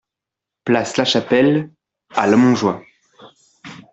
Place Lachapelle à Lamontjoie